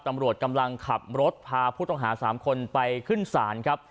ตำรวจกำลังขับรถพาผู้ต้องหา๓คนไปขึ้นศาลครับ